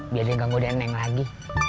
biar dia gak ngodeneng lagi